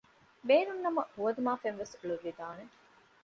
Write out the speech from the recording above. ބޭނުން ނަމަ ހުވަނދުމާ ފެން ވެސް އެޅުއްވިދާނެ